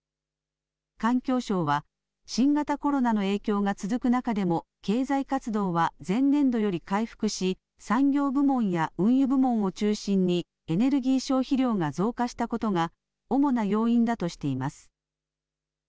環境省は新型コロナの影響が続く中でも経済活動は前年度より回復し産業部門や運輸部門を中心にエネルギー消費量が増加したことが主な要因だとしています。